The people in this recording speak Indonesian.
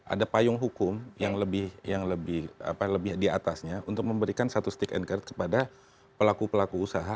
ada payung hukum yang lebih diatasnya untuk memberikan satu stick and card kepada pelaku pelaku usaha